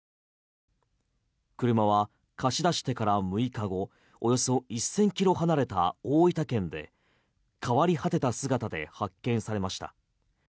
車は貸し出してから６日後およそ１０００ｋｍ離れた大分県で変わり果てた姿で発見されました。